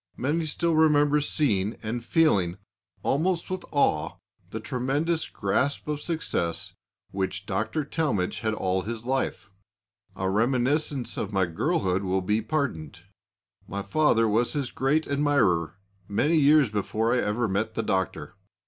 Many still remember seeing and feeling almost with awe the tremendous grasp of success which Dr. Talmage had all his life. A reminiscence of my girlhood will be pardoned: My father was his great admirer many years before I ever met the Doctor.